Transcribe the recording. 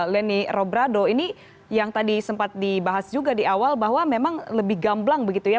leni robrado ini yang tadi sempat dibahas juga di awal bahwa memang lebih gamblang begitu ya